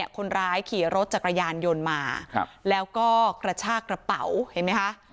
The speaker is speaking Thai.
คนร้ายขี่รถจักรยานยนต์มาแล้วก็กระชากระเป๋าเห็นไหมคะ